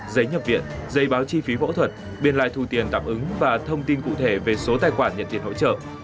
giấy nhập viện giấy báo chi phí võ thuật biên lại thù tiền tạm ứng và thông tin cụ thể về số tài khoản nhận tiền hỗ trợ